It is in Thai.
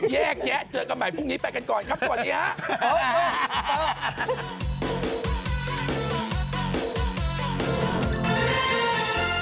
แยกแยะเจอกันใหม่พรุ่งนี้ไปกันก่อนครับสวัสดีครับ